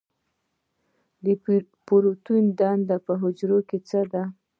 د پروټین دنده په حجره کې څه ده؟